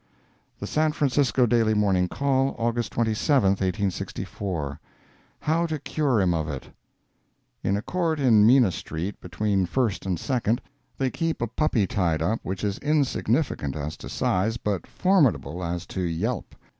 The San Francisco Daily Morning Call, August 27, 1864 HOW TO CURE HIM OF IT In a court in Minna street, between First and Second, they keep a puppy tied up which is insignificant as to size, but formidable as to yelp.